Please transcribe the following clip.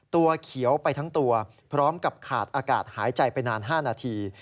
ตัวเขียวไปทั้งตัวพร้อมกับขาดอากาศหายใจไปนาน๕นาที